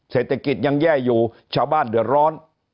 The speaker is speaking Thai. เศรษฐกิจยังแย่อยู่ชาวบ้านเดือดร้อน